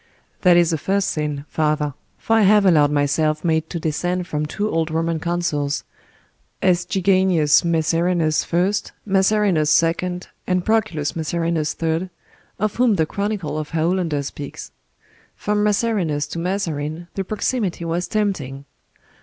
"That is a first sin, father; for I have allowed myself made to descend from two old Roman consuls, S. Geganius Macerinus 1st, Macerinus 2d, and Proculus Macerinus 3d, of whom the Chronicle of Haolander speaks. From Macerinus to Mazarin the proximity was tempting.